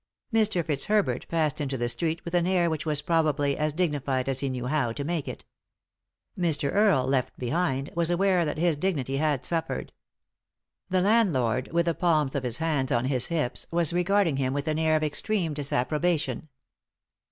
Mr. Fitzherbert passed into the street with an air which was probably as dignified as he knew how to make it. Mr. Earle, left behind, was aware that his dignity had suffered. The landlord, with the palms of his hands on bis hips, was regarding him with an air of extreme disapprobation.